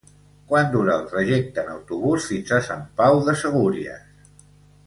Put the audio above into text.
Quant dura el trajecte en autobús fins a Sant Pau de Segúries?